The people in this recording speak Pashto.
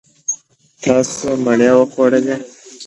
تاسو مڼې وخوړلې.